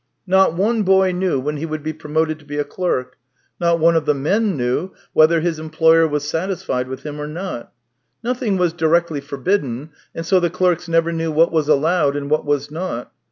Not one boy knew when he would be promoted to be a clerk; not one of the men knew whether his employer was satisfied with him or not. Nothing was directly forbidden, and so the clerks never knew what was allowed, and what was not.